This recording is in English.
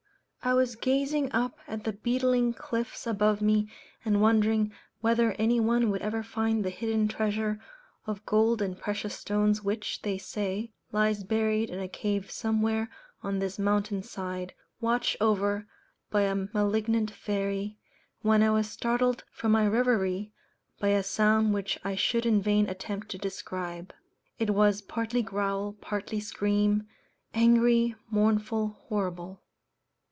I was gazing up at the beetling cliffs above me and wondering whether any one would ever find the hidden treasure of gold and precious stones which, they say, lies buried in a cave somewhere on this mountain's side, watched over by a malignant fairy (see Note B, Addenda), when I was startled from my reverie by a sound which I should in vain attempt to describe. It was partly growl, partly scream, angry, mournful, horrible.